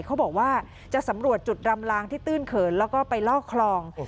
เขาบอกว่าจะสำรวจจุดรำลางที่ตื้นเขินแล้วก็ไปลอกคลอง